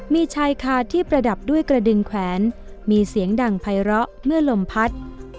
มีชายคาที่ประดับด้วยกระดึงแขวนมีเสียงดังไพร้อเมื่อลมพัด